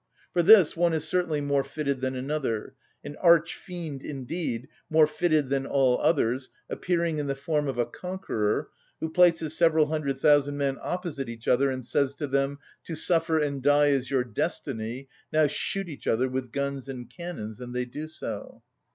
For this, one is certainly more fitted than another; an arch‐fiend, indeed, more fitted than all others, appearing in the form of a conqueror, who places several hundred thousand men opposite each other, and says to them: "To suffer and die is your destiny; now shoot each other with guns and cannons," and they do so.